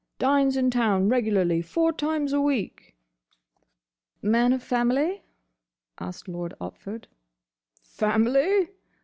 Dines in town regularly four times a week." "Man of family?" asked Lord Otford. "Family?"